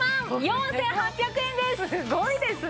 すごいですね！